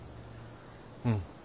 うん。